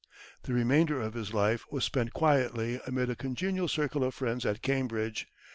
The remainder of his life was spent quietly amid a congenial circle of friends at Cambridge.